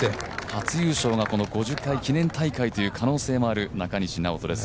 初優勝が、この５０回記念大会の可能性もある中西直人です。